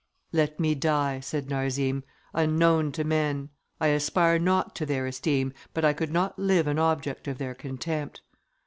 "Let me die," said Narzim, "unknown to men; I aspire not to their esteem, but I could not live an object of their contempt."